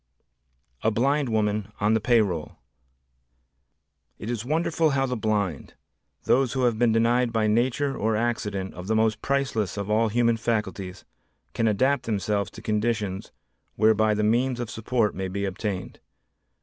A Blind Woman on the Pay Roll It is wonderful how the blind, those who have been denied by nature or accident of the most priceless of all human faculties, can adapt themselves to conditions whereby the means of support may be obtained.